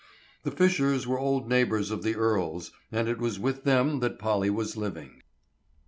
The Fishers were old neighbors of the Earles, and it was with them that Polly was living.